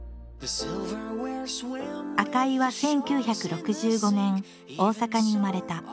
赤井は１９６５年大阪に生まれた。